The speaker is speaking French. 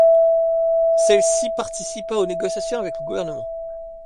Celle-ci participa aux négociations avec le gouvernement.